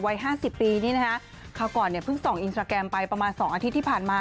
ห้าสิบปีนี่นะคะคราวก่อนเนี่ยเพิ่งส่องอินสตราแกรมไปประมาณ๒อาทิตย์ที่ผ่านมา